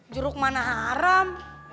jeruk mana haram